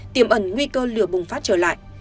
tiềm ẩn nguy cơ lửa bùng phát trở lại